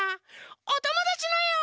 おともだちのえを。